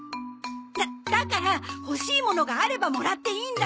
だだから欲しいものがあればもらっていいんだよ！